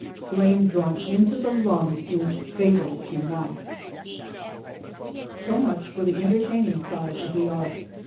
FLAME DRAWN INTO THE LUNGS IS FATAL TO LIFE. So much for the entertaining side of the art.